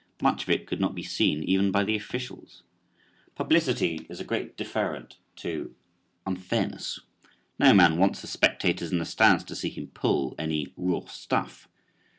Much of it could not be seen even by the officials. Publicity is a great deferrent to unfairness. No man wants the spectators in the stands to see him "pull" any "raw stuff."